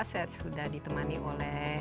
sejak sudah ditemani oleh